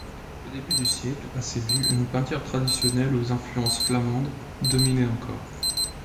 Au début du siècle, à Séville, une peinture traditionnelle aux influences flamandes dominaient encore.